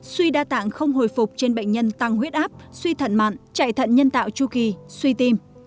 suy đa tạng không hồi phục trên bệnh nhân tăng huyết áp suy thận mạn chạy thận nhân tạo chu kỳ suy tim